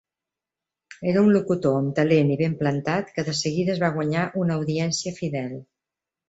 Era un locutor amb talent i ben plantat que de seguida es va guanyar una audiència fidel.